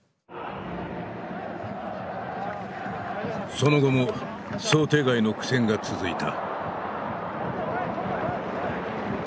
その後も想定外の苦戦が続いた。